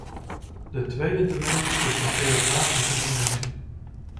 De tweede dimensie is de geografische dimensie.